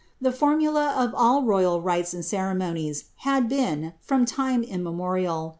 Tlif formula of all royal rites and ceremonies had bi'en, from time imniem'> rial.